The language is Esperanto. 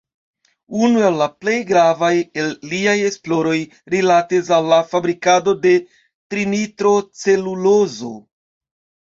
Unu el la plej gravaj el liaj esploroj rilatis al la fabrikado de "trinitrocelulozo".